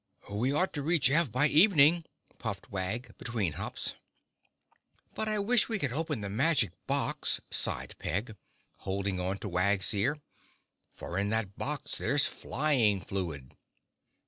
"We ought to reach Ev by evening," puffed Wag, between hops. "But I wish we could open the Magic Box," sighed Peg, holding on to Wag's ear, "for in that box there's Flying Fluid!"